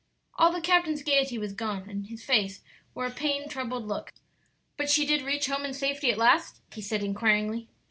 All the captain's gayety was gone, and his face wore a pained, troubled look. "But she did reach home in safety at last?" he said, inquiringly.